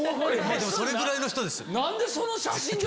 でもそれぐらいの人です。